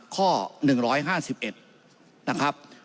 ข้อ๑๕๑นะครับ